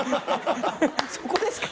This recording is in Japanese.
そこですか？